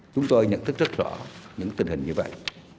chúng tôi nhận thức rất rõ những tình hình như vậy